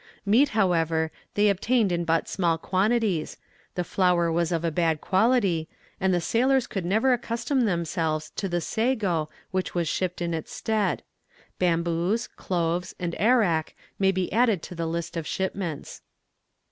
Meat, however, they obtained in but small quantities, the flour was of a bad quality, and the sailors could never accustom themselves to the sago which was shipped in its stead; bamboos, cloves, and arrack may be added to the list of shipments.